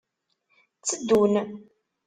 Tteddun.